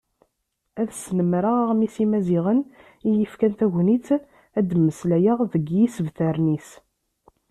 Ad snemreɣ Aɣmis n Yimaziɣen iyi-yefkan tagnit, ad d-mmeslayeɣ deg yisebtaren-is.